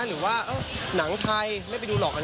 หรือว่าหนังไทยไม่ไปดูหรอก